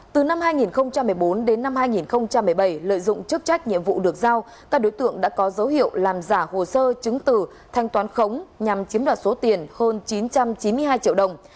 từ năm hai nghìn một mươi bốn đến năm hai nghìn một mươi bảy lợi dụng chức trách nhiệm vụ được giao các đối tượng đã có dấu hiệu làm giả hồ sơ chứng tử thanh toán khống nhằm chiếm đoạt số tiền hơn chín trăm chín mươi hai triệu đồng